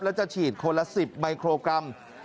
แล้วจะฉีดคนละ๑๐มิโครกรัม